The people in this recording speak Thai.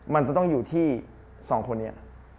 มันจะต้องอยู่ที่๒คนนี้